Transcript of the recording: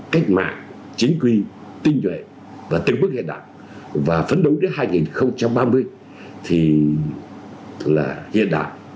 cách mạng chính quy tinh nhuệ và từng bước hiện đại và phấn đấu đến hai nghìn ba mươi thì là hiện đại